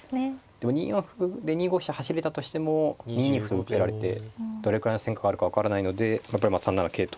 でも２四歩で２五飛車走れたとしても２二歩と受けられてどれくらいの戦果があるか分からないのでやっぱり３七桂と。